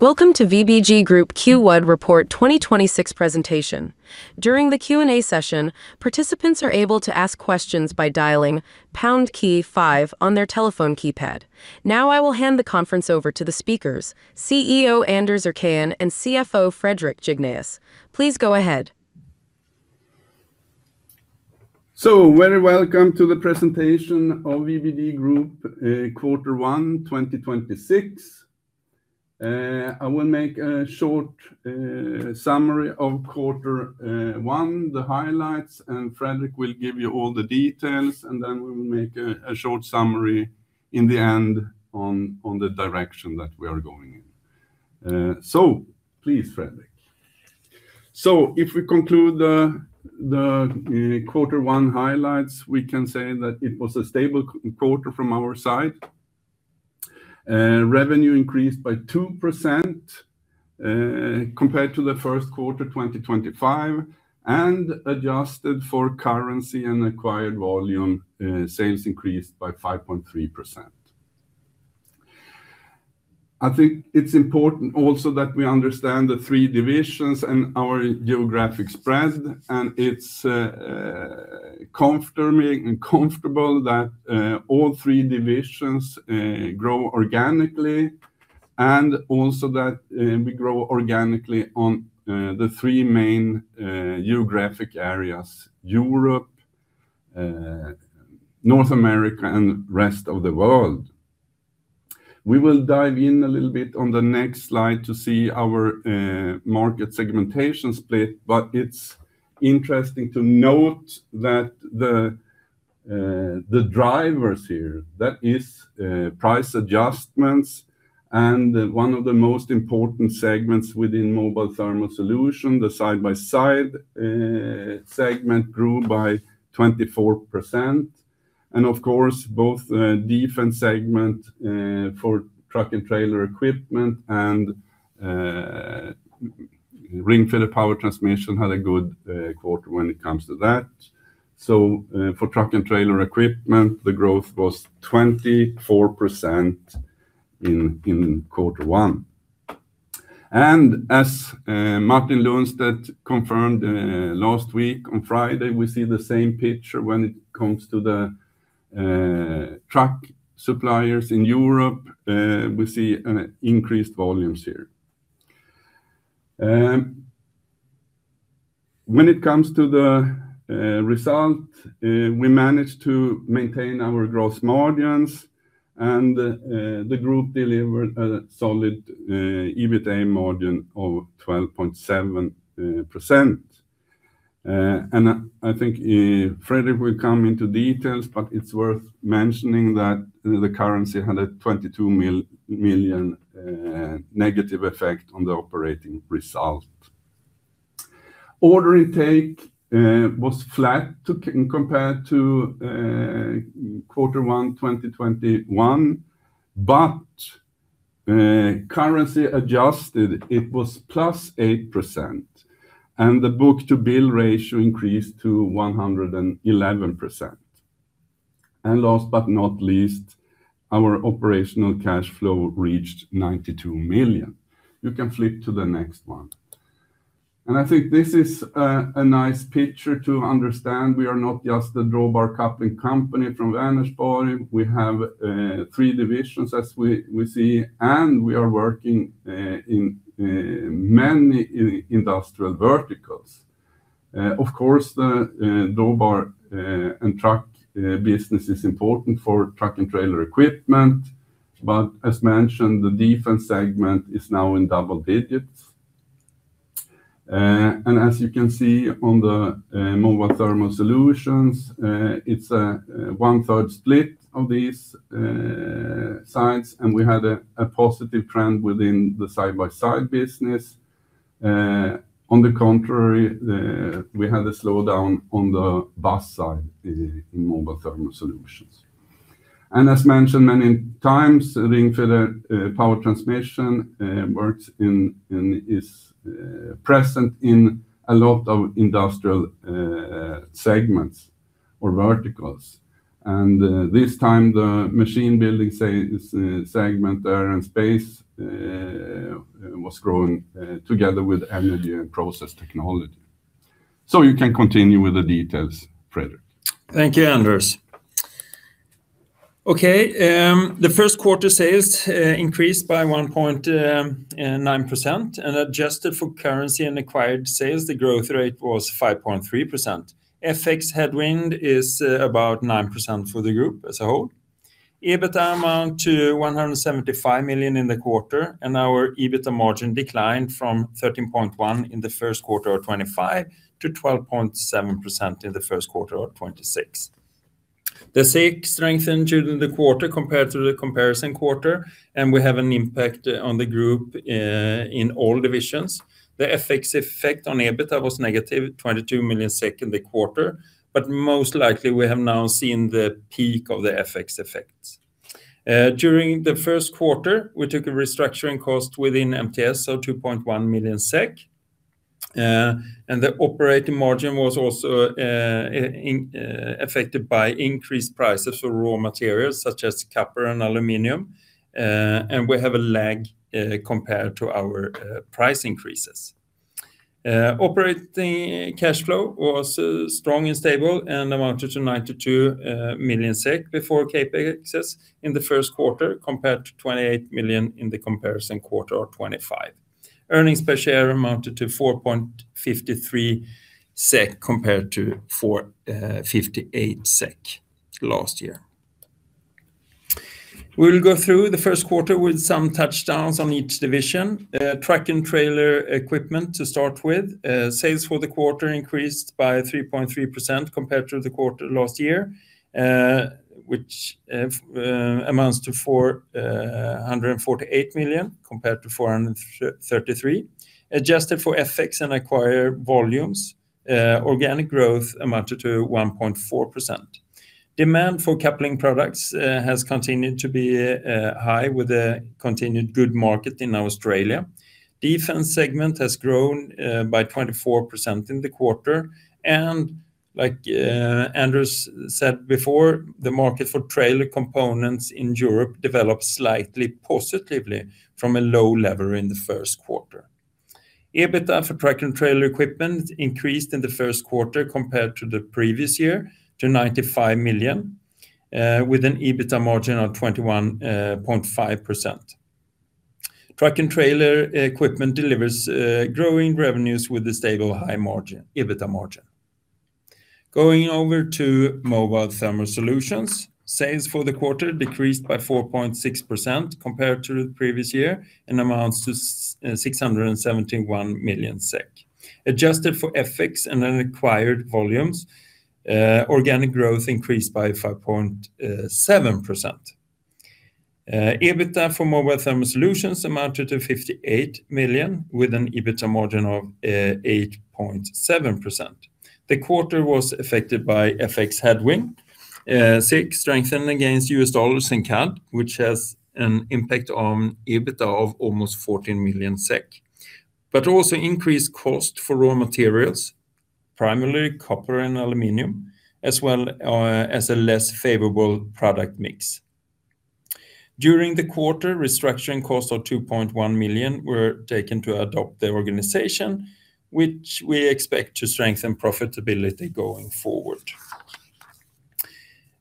Welcome to VBG Group Q1 Report 2026 presentation. During the Q&A session, participants are able to ask questions by dialing pound key five on their telephone keypad. Now I will hand the conference over to the speakers, CEO Anders Erkén and CFO Fredrik Jignéus. Please go ahead. Very welcome to the presentation of VBG Group, quarter one 2026. I will make a short summary of quarter one, the highlights, and Fredrik will give you all the details, and then we will make a short summary in the end on the direction that we are going in. So, please, Fred. So, if we conclude the quarter one highlights, we can say that it was a stable quarter from our side. Revenue increased by 2%, compared to the first quarter 2025, and adjusted for currency and acquired volume, sales increased by 5.3%. I think it's important also that we understand the three divisions and our geographic spread, and it's comforting and comfortable that all three divisions grow organically and also that we grow organically on the three main geographic areas: Europe, North America, and the rest of the world. We will dive in a little bit on the next slide to see our market segmentation split, but it's interesting to note that the drivers here, that is, price adjustments and one of the most important segments within Mobile Thermal Solutions, the side-by-side segment grew by 24%. Of course, both defense segment for Truck & Trailer Equipment and Ringfeder Power Transmission had a good quarter when it comes to that. For Truck & Trailer Equipment, the growth was 24% in quarter one. As Martin Lundstedt confirmed last week on Friday, we see the same picture when it comes to the truck suppliers in Europe, we see increased volumes here. When it comes to the result, we managed to maintain our gross margins and the group delivered a solid EBITDA margin of 12.7%. I think Fredrik will come into details, but it's worth mentioning that the currency had a 22 million negative effect on the operating result. Order intake was flat compared to quarter one 2021, but currency adjusted, it was +8%, and the book-to-bill ratio increased to 111%. Last but not least, our operational cash flow reached 92 million. You can flip to the next one. I think this is a nice picture to understand we are not just the drawbar coupling company from Vänersborg. We have three divisions as we see, and we are working in many industrial verticals. Of course, the drawbar and truck business is important for Truck & Trailer Equipment, but as mentioned, the defense segment is now in double digits. As you can see on the Mobile Thermal Solutions, it's a one-third split of these sides, and we had a positive trend within the side-by-side business. On the contrary, we had a slowdown on the bus side in Mobile Thermal Solutions. As mentioned many times, Ringfeder Power Transmission is present in a lot of industrial segments or verticals. This time, the machine building segment, aerospace, was growing together with energy and process technology. You can continue with the details, Fred. Thank you, Anders. Okay, the first quarter sales increased by 1.9%. Adjusted for currency and acquired sales, the growth rate was 5.3%. FX headwind is about 9% for the group as a whole. EBITDA amount to 175 million in the quarter, and our EBITDA margin declined from 13.1% in the first quarter of 2025 to 12.7% in the first quarter of 2026. The SEK strengthened during the quarter compared to the comparison quarter, and we have an impact on the group in all divisions. The FX effect on EBITDA was -22 million in the quarter, but most likely we have now seen the peak of the FX effects. During the first quarter, we took a restructuring cost within MTS, so 2.1 million SEK. The operating margin was also affected by increased prices for raw materials such as copper and aluminum. We have a lag compared to our price increases. Operating cash flow was strong and stable and amounted to 92 million SEK before CapEx in the first quarter, compared to 28 million in the comparison quarter of 2025. Earnings per share amounted to 4.53 SEK compared to 4.58 SEK last year. We'll go through the first quarter with some touch points on each division. Truck & Trailer Equipment to start with. Sales for the quarter increased by 3.3% compared to the quarter last year, which amounts to 448 million compared to 433 million. Adjusted for FX and acquired volumes, organic growth amounted to 1.4%. Demand for coupling products has continued to be high with a continued good market in Australia. Defense segment has grown by 24% in the quarter. Like Anders said before, the market for trailer components in Europe developed slightly positively from a low level in the first quarter. EBITDA for Truck & Trailer Equipment increased in the first quarter compared to the previous year to 95 million, with an EBITA margin of 21.5%. Truck & Trailer Equipment delivers growing revenues with a stable high margin, EBITDA margin. Going over to Mobile Thermal Solutions. Sales for the quarter decreased by 4.6% compared to the previous year and amounts to 671 million SEK. Adjusted for FX and then acquired volumes, organic growth increased by 5.7%. EBITDA for Mobile Thermal Solutions amounted to 58 million with an EBITDA margin of 8.7%. The quarter was affected by FX headwind, SEK strengthening against US dollars and CAD, which has an impact on EBITA of almost 14 million SEK, but also increased cost for raw materials, primarily copper and aluminum, as well as a less favorable product mix. During the quarter, restructuring costs of 2.1 million were taken to adopt the organization, which we expect to strengthen profitability going forward.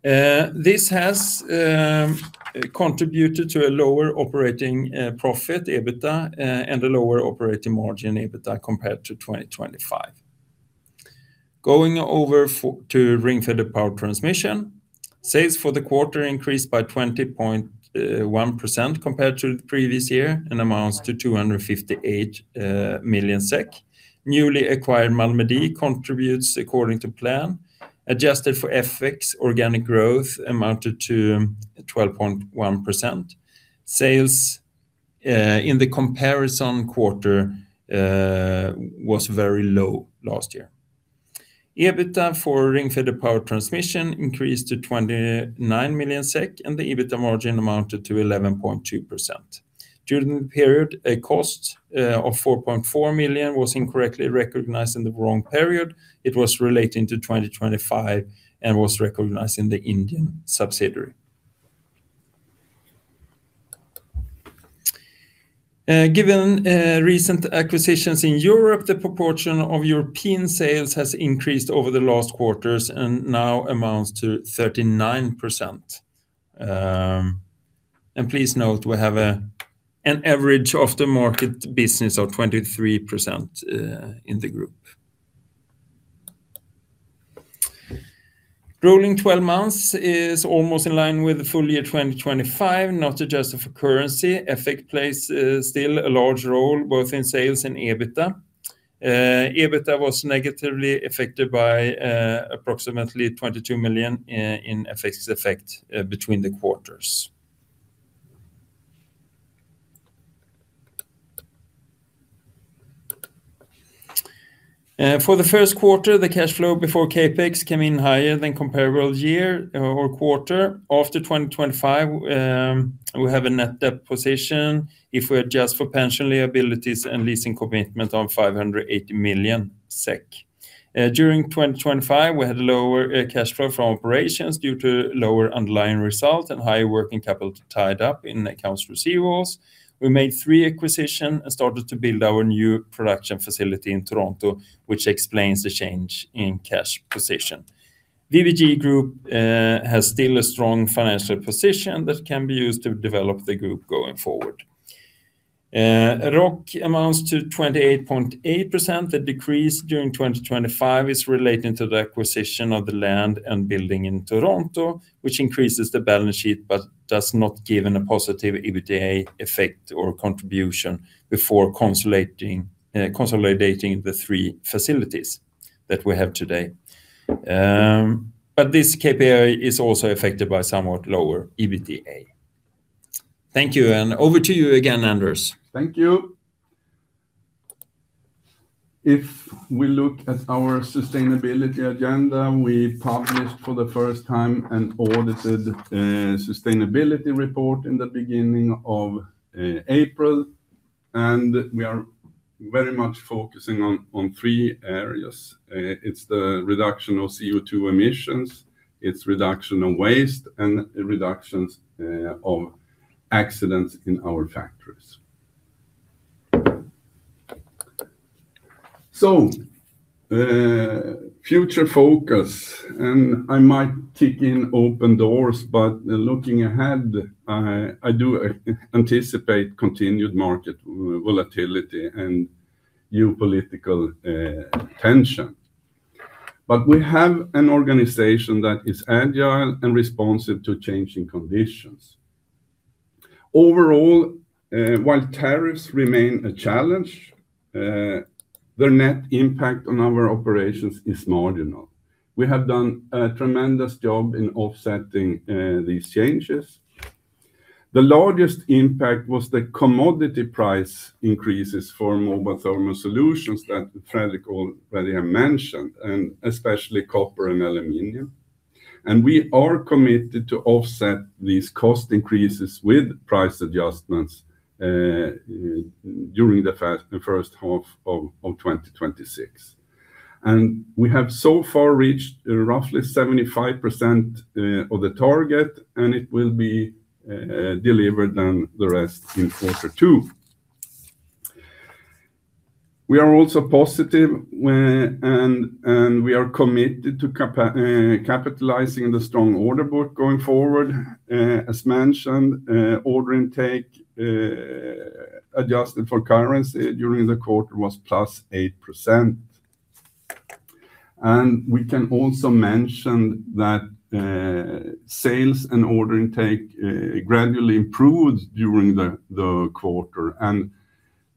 This has contributed to a lower operating profit, EBITDA, and a lower operating margin EBITDA compared to 2025. Going over to Ringfeder Power Transmission. Sales for the quarter increased by 20.1% compared to the previous year and amounts to 258 million SEK. Newly acquired Malmedie contributes according to plan. Adjusted for FX, organic growth amounted to 12.1%. Sales in the comparison quarter was very low last year. EBITDA for Ringfeder Power Transmission increased to 29 million SEK, and the EBITA margin amounted to 11.2%. During the period, a cost of 4.4 million was incorrectly recognized in the wrong period. It was relating to 2025 and was recognized in the Indian subsidiary. Given recent acquisitions in Europe, the proportion of European sales has increased over the last quarters and now amounts to 39%. Please note, we have an average of the market business of 23% in the group. Rolling 12 months is almost in line with the full year 2025, not adjusted for currency. FX plays still a large role both in sales and EBITDA. EBITDA was negatively affected by approximately 22 million in FX effect between the quarters. For the first quarter, the cash flow before CapEx came in higher than comparable year or quarter. After 2025, we have a net debt position if we adjust for pension liabilities and leasing commitment on 580 million SEK. During 2025, we had lower cash flow from operations due to lower underlying results and higher working capital tied up in accounts receivables. We made three acquisitions and started to build our new production facility in Toronto, which explains the change in cash position. VBG Group has still a strong financial position that can be used to develop the group going forward. ROC amounts to 28.8%. The decrease during 2025 is relating to the acquisition of the land and building in Toronto, which increases the balance sheet, but does not give a positive EBITDA effect or contribution before consolidating the three facilities that we have today. This KPI is also affected by somewhat lower EBITDA. Thank you, and over to you again, Anders. Thank you. If we look at our sustainability agenda. We published for the first time an audited sustainability report in the beginning of April, and we are very much focusing on three areas. It's the reduction of CO2 emissions, it's reduction of waste, and reductions of accidents in our factories. Future focus, and I might kick in open doors, but looking ahead, I do anticipate continued market volatility and new political tension. We have an organization that is agile and responsive to changing conditions. Overall, while tariffs remain a challenge, their net impact on our operations is marginal. We have done a tremendous job in offsetting these changes. The largest impact was the commodity price increases for Mobile Thermal Solutions that Fredrik already have mentioned, and especially copper and aluminum. We are committed to offset these cost increases with price adjustments during the first half of 2026. We have so far reached roughly 75% of the target, and it will be delivered the rest in quarter two. We are also positive and we are committed to capitalizing the strong order book going forward. As mentioned, order intake adjusted for currency during the quarter was +8%. We can also mention that sales and order intake gradually improved during the quarter, and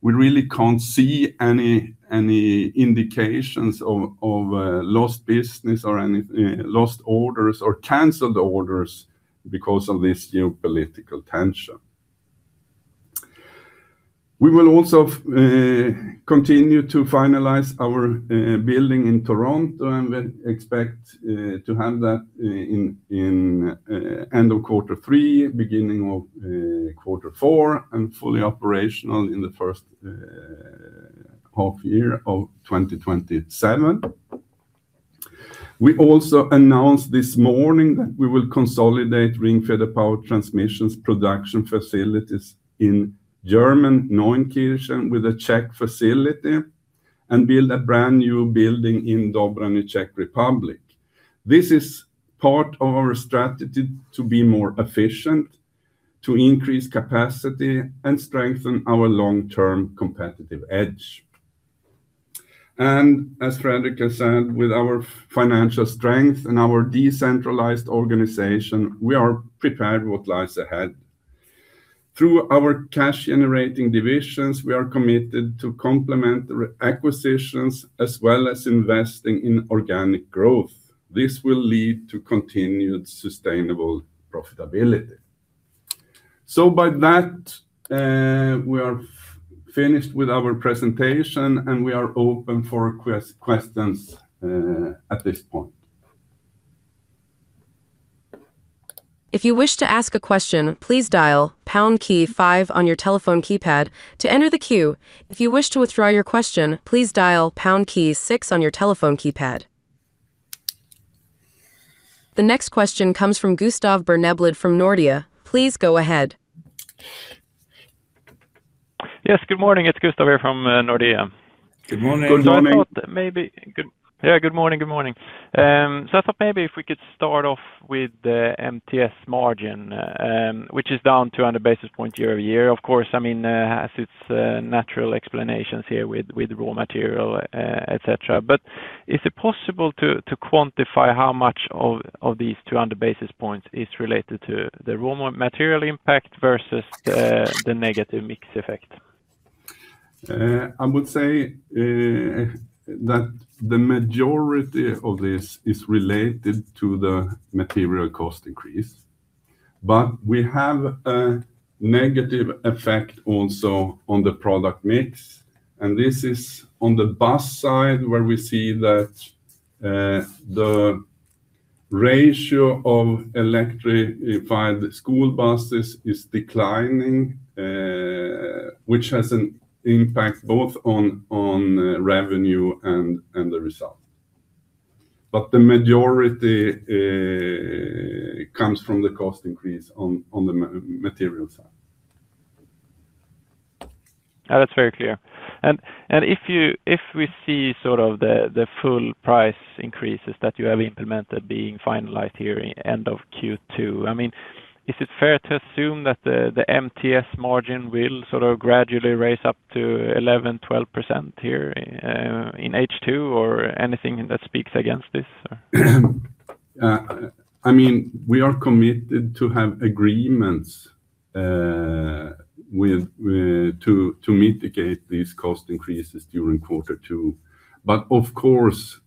we really can't see any indications of lost business or any lost orders or canceled orders because of this new political tension. We will also continue to finalize our building in Toronto, and we expect to have that in end of quarter three, beginning of quarter four, and fully operational in the first half of the year of 2027. We also announced this morning that we will consolidate Ringfeder Power Transmission's production facilities in German Neunkirchen with a Czech facility and build a brand-new building in Dobrány, Czech Republic. This is part of our strategy to be more efficient, to increase capacity, and strengthen our long-term competitive edge. As Fredrik has said, with our financial strength and our decentralized organization, we are prepared for what lies ahead. Through our cash-generating divisions, we are committed to complementary acquisitions as well as investing in organic growth. This will lead to continued sustainable profitability. By that, we are finished with our presentation, and we are open for questions at this point. If you wish to ask a question, please dial pound key five on your telephone keypad to enter the queue. If you wish to withdraw your question, please dial pound key six on your telephone keypad. The next question comes from Gustav Berneblad from Nordea. Please go ahead. Yes, good morning. It's Gustav here from Nordea. Good morning. I thought maybe. Good morning. Yeah, good morning. Good morning. I thought maybe if we could start off with the MTS margin, which is down 100 basis points year-over-year. Of course, I mean, it has its natural explanations here with raw material, et cetera. Is it possible to quantify how much of these 200 basis points is related to the raw material impact versus the negative mix effect? I would say that the majority of this is related to the material cost increase, but we have a negative effect also on the product mix, and this is on the bus side, where we see that the ratio of electrified school buses is declining, which has an impact both on revenue and the result. The majority comes from the cost increase on materials. That's very clear. If we see sort of the full price increases that you have implemented being finalized here end of Q2, I mean, is it fair to assume that the MTS margin will sort of gradually raise up to 11%, 12% here in H2, or anything that speaks against this? I mean, we are committed to have agreements with to mitigate these cost increases during quarter two. Of course,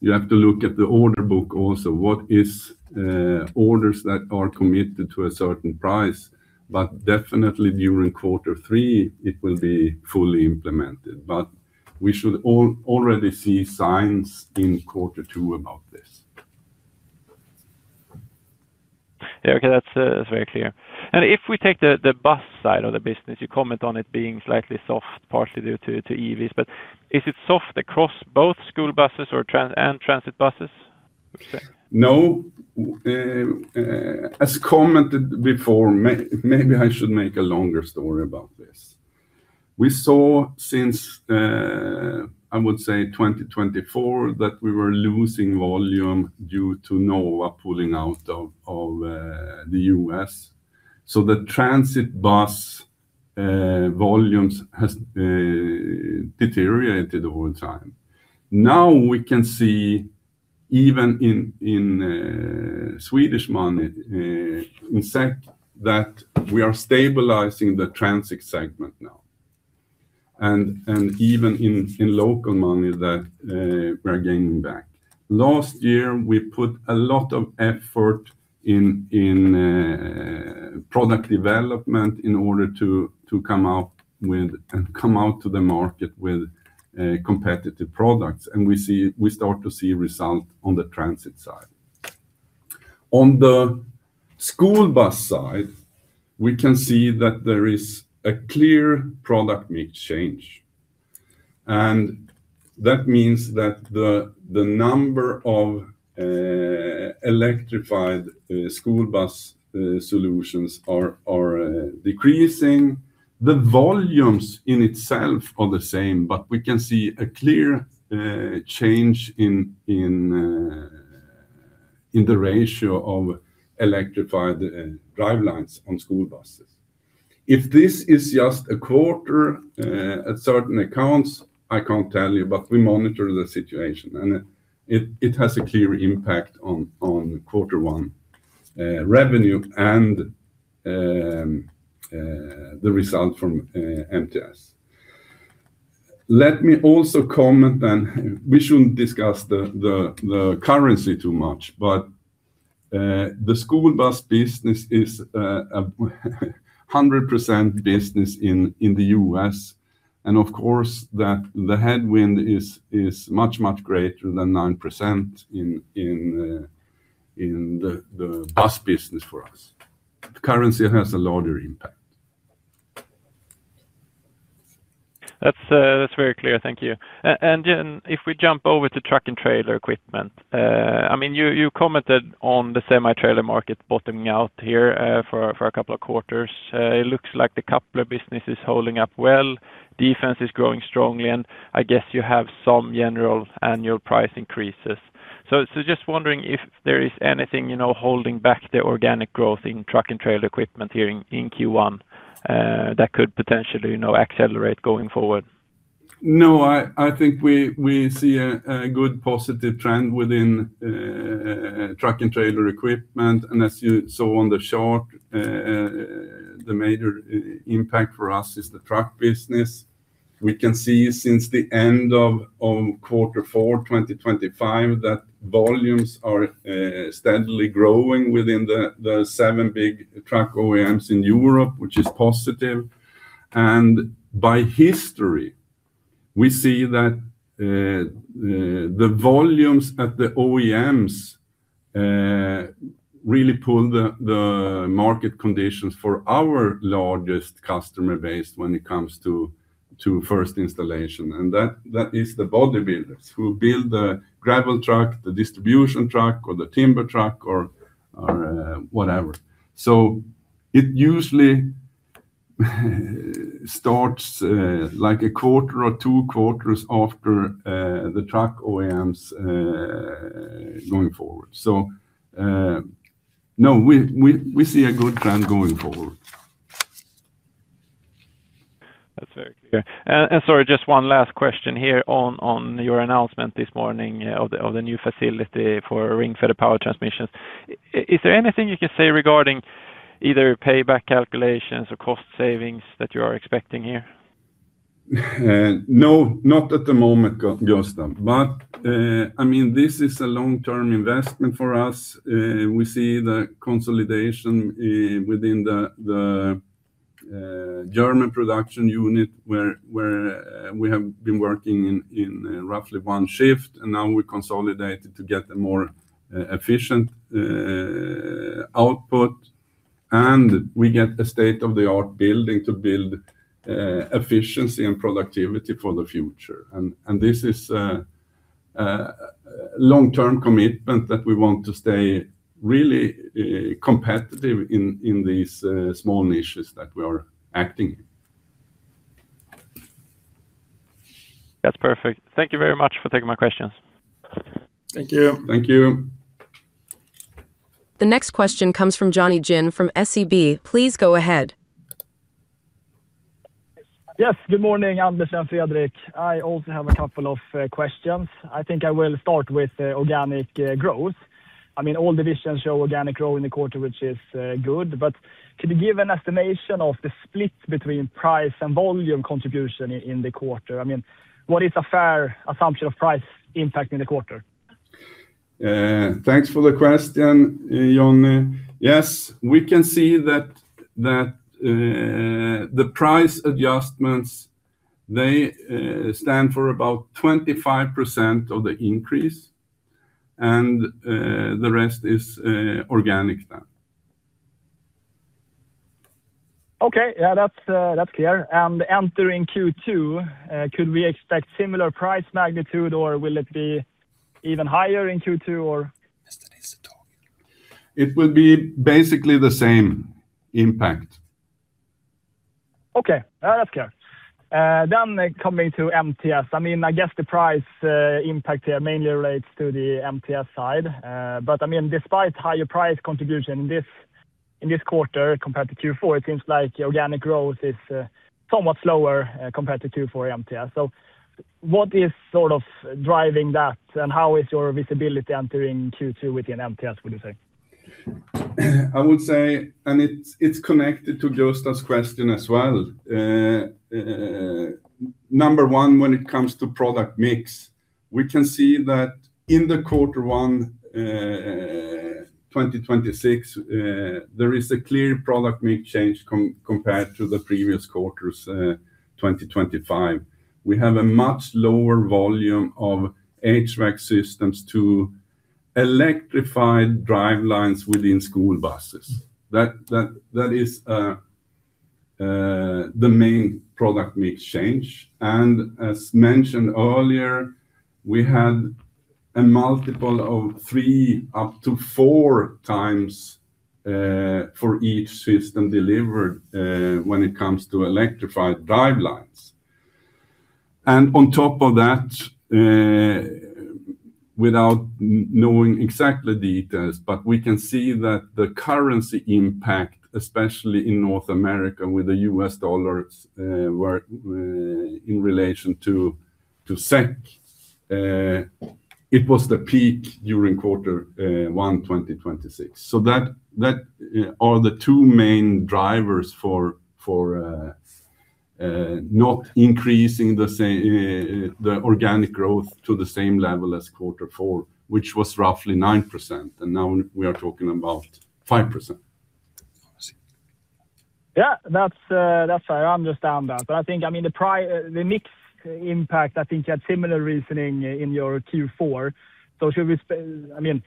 you have to look at the order book also. What is orders that are committed to a certain price? Definitely during quarter three it will be fully implemented, but we should already see signs in quarter two about this. Yeah. Okay. That's very clear. If we take the bus side of the business, you comment on it being slightly soft, partially due to EVs, but is it soft across both school buses and transit buses? No. As commented before, maybe I should make a longer story about this. We saw since I would say 2024 that we were losing volume due to Nova pulling out of the U.S., so the transit bus volumes has deteriorated over time. Now we can see even in Swedish money that we are stabilizing the transit segment now, and even in local money that we are gaining back. Last year we put a lot of effort in product development in order to come out with and come out to the market with competitive products, and we start to see result on the transit side. On the school bus side, we can see that there is a clear product mix change, and that means that the number of electrified school bus solutions are decreasing. The volumes in itself are the same, but we can see a clear change in the ratio of electrified drivelines on school buses. If this is just a quarter at certain accounts, I can't tell you, but we monitor the situation and it has a clear impact on quarter one revenue and the result from MTS. Let me also comment, we shouldn't discuss the currency too much, but the school bus business is a 100% business in the U.S. and of course that the headwind is much greater than 9% in the bus business for us. Currency has a larger impact. That's very clear. Thank you. If we jump over to Truck & Trailer Equipment, I mean, you commented on the semi-trailer market bottoming out here for a couple of quarters. It looks like the coupler business is holding up well, defense is growing strongly, and I guess you have some general annual price increases. Just wondering if there is anything, you know, holding back the organic growth in Truck & Trailer Equipment here in Q1, that could potentially, you know, accelerate going forward? No, I think we see a good positive trend within Truck & Trailer Equipment. As you saw on the chart, the major impact for us is the truck business. We can see since the end of quarter four 2025 that volumes are steadily growing within the seven big truck OEMs in Europe, which is positive. By history, we see that the volumes at the OEMs really pull the market conditions for our largest customer base when it comes to first installation, and that is the body builders who build the gravel truck, the distribution truck, or the timber truck, or whatever. It usually starts like a quarter or two quarters after the truck OEMs going forward. No, we see a good plan going forward. That's very clear. Sorry, just one last question here on your announcement this morning of the new facility for Ringfeder Power Transmission. Is there anything you can say regarding either payback calculations or cost savings that you are expecting here? No, not at the moment, Gustav, but I mean, this is a long-term investment for us. We see the consolidation within the German production unit where we have been working in roughly one shift, and now we consolidated to get a more efficient output, and we get a state-of-the-art building to build efficiency and productivity for the future. This is a long-term commitment that we want to stay really competitive in these small niches that we are acting. That's perfect. Thank you very much for taking my questions. Thank you. Thank you. The next question comes from Jonny Jin from SEB. Please go ahead. Yes. Good morning, Anders and Fredrik. I also have a couple of questions. I think I will start with the organic growth. I mean, all divisions show organic growth in the quarter, which is good. Could you give an estimation of the split between price and volume contribution in the quarter? I mean, what is a fair assumption of price impact in the quarter? Thanks for the question, Jonny. Yes, we can see that the price adjustments they stand for about 25% of the increase and the rest is organic then. Okay. Yeah, that's clear. Entering Q2, could we expect similar price magnitude or will it be even higher in Q2 or? It will be basically the same impact. Okay. That's clear. Coming to MTS. I mean; I guess the price impact here mainly relates to the MTS side. I mean, despite higher price contribution in this quarter compared to Q4, it seems like your organic growth is somewhat slower compared to Q4 MTS. What is sort of driving that? And how is your visibility entering Q2 within MTS, would you say? I would say it's connected to Gösta's question as well. Number one, when it comes to product mix, we can see that in quarter one 2026 there is a clear product mix change compared to the previous quarters 2025. We have a much lower volume of HVAC systems to electrified drivelines within school buses. That is the main product mix change. As mentioned earlier, we had a multiple of 3x up to 4x for each system delivered when it comes to electrified drivelines. On top of that, without knowing exactly details, but we can see that the currency impact, especially in North America with the U.S. dollars, were in relation to SEK, it was the peak during quarter one 2026. That are the two main drivers for not increasing the organic growth to the same level as quarter four, which was roughly 9%, and now we are talking about 5%. Yeah, that's fair. I understand that. I think, I mean, the mix impact, I think you had similar reasoning in your Q4. I mean,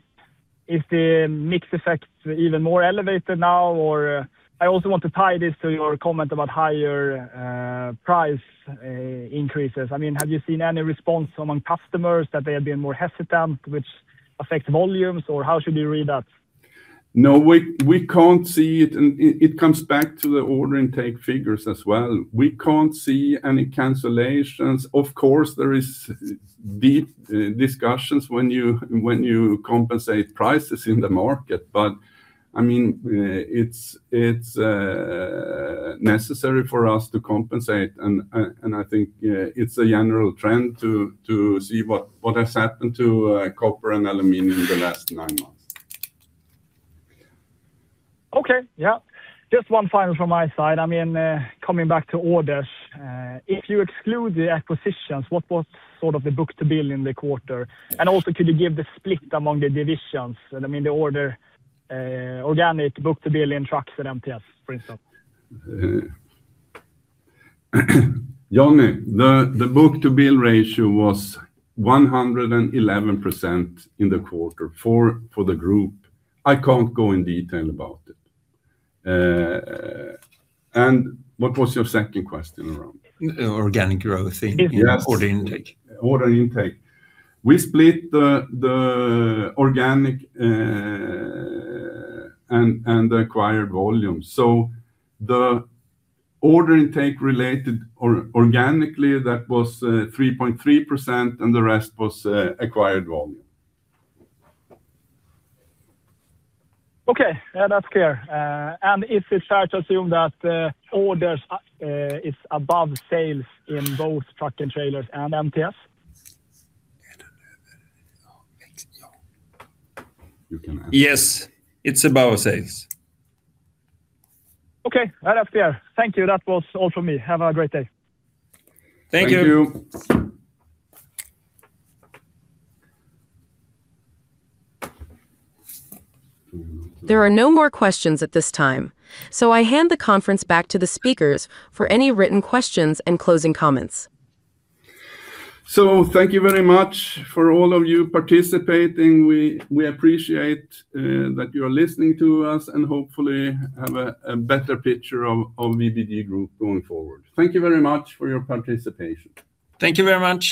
is the mix effect even more elevated now or I also want to tie this to your comment about higher price increases. I mean, have you seen any response among customers that they have been more hesitant, which affects volumes, or how should we read that? No, we can't see it. It comes back to the order intake figures as well. We can't see any cancellations. Of course, there is deep discussions when you compensate prices in the market. But I mean, it's necessary for us to compensate, and I think, it's a general trend to see what has happened to copper and aluminum in the last nine months. Okay. Yeah. Just one final from my side. I mean, coming back to orders, if you exclude the acquisitions, what was sort of the book-to-bill in the quarter? And also, could you give the split among the divisions? I mean, the organic book-to-bill in trucks at MTS, for instance. Jonny, the book-to-bill ratio was 111% in the quarter for the group. I can't go in detail about it. What was your second question around? Organic growth in order intake. Order intake. We split the organic and the acquired volume. The order intake related or organically, that was 3.3%, and the rest was acquired volume. Okay. Yeah, that's clear. Is it fair to assume that orders is above sales in both truck and trailers and MTS? You can answer. Yes, it's above sales. Okay. That's clear. Thank you. That was all for me. Have a great day. Thank you. Thank you. There are no more questions at this time, so I hand the conference back to the speakers for any written questions and closing comments. Thank you very much for all of you participating. We appreciate that you are listening to us and hopefully have a better picture of VBG Group going forward. Thank you very much for your participation. Thank you very much.